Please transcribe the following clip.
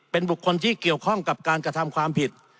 เป็นบุคคลที่เกี่ยวข้องกับการกระทำความผิด